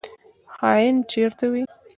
خاین چیرته وي؟